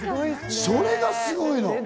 それがすごいの。